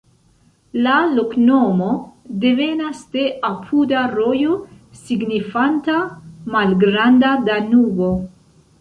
La loknomo devenas de apuda rojo signifanta "Malgranda Danubo".